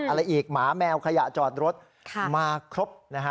อะไรอีกหมาแมวขยะจอดรถมาครบนะฮะ